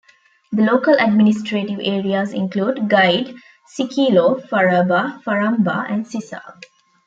The local administrative areas include Gaide, Sikilo, Faraba, Faramba and Sisal.